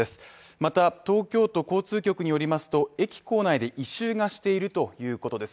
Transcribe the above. また、東京都交通局によりますと、駅構内で異臭がしているということです。